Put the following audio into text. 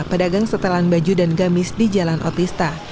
pedagang setelan baju dan gamis di jalan otista